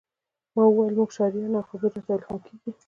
ما وویل موږ شاعران یو او خبرې راته الهام کیږي